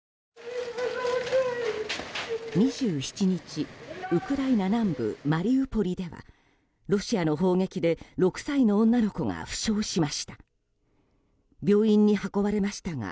２７日、ウクライナ南部マリウポリではロシアの砲撃で６歳の女の子が負傷しました。